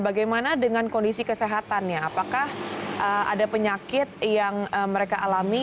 bagaimana dengan kondisi kesehatannya apakah ada penyakit yang mereka alami